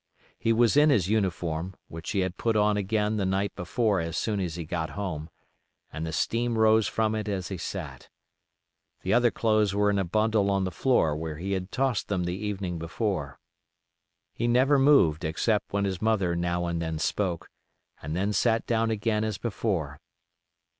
He was in his uniform, which he had put on again the night before as soon as he got home, and the steam rose from it as he sat. The other clothes were in a bundle on the floor where he had tossed them the evening before. He never moved except when his mother now and then spoke, and then sat down again as before.